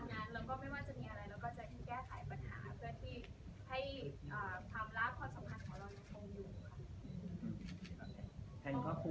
เพื่อที่ให้ความรักความสำครรมของเราทรงอยู่